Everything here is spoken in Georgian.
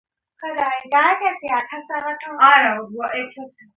დაბადების ადგილი ქალაქი თბილისი.